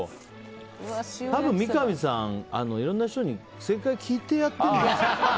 多分、三上さん、いろんな人に正解聞いてやってるんじゃない？